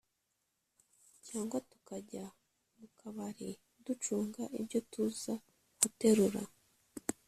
cyangwa tukajya mu kabari ducunga ibyo tuza guterura